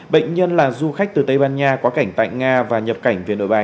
bệnh nhân là du khách từ tây ban nha quá cảnh tại nga và nhập cảnh về nội bài